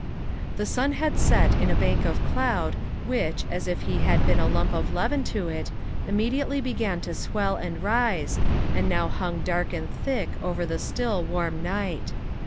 The sun had set in a bank of cloud, which, as if he had been a lump of leaven to it, immediately began to swell and rise, and now hung dark and thick over the still, warm night.